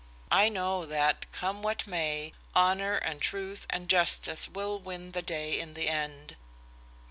I know that, come what may, honor and truth and justice will win the day in the end!"